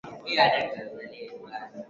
jopo lenye ufanisi lina majadiliano mengi sana